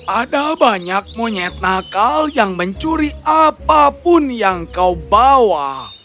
ada banyak monyet nakal yang mencuri apapun yang kau bawa